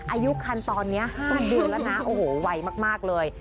อายุคันตอนนี้๕เดือนแล้วนะโอ้โหไวมากเลย